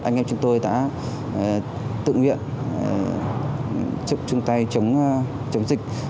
anh em chúng tôi đã tự nguyện chụp chung tay chống dịch